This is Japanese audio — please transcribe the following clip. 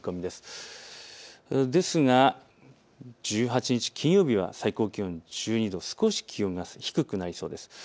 ですが１８日金曜日は最高気温１２度、少し気温が低くなりそうです。